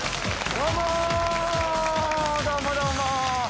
どうもどうも！